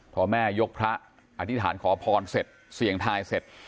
พอแม่ยกพระอธิษฐานขอพรเสร็จเสี่ยงทายเสร็จ